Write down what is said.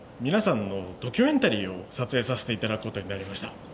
皆さんのドキュメンタリーを撮影させていただくことになりました